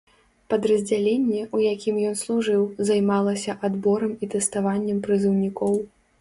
Падраздзяленне, у якім ён служыў, займалася адборам і тэставаннем прызыўнікоў.